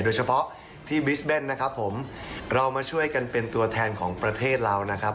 โดยเฉพาะที่บิสเบนนะครับผมเรามาช่วยกันเป็นตัวแทนของประเทศเรานะครับ